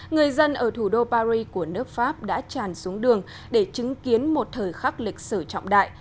người dân ở thủ đô paris của nước pháp đã tràn xuống đường để chứng kiến một thời khắc lịch sử trọng đại